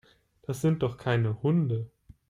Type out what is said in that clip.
Das sind doch keine Hunde.